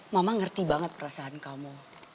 mama ngerti banget perasaan kamu